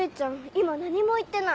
今何も言ってない。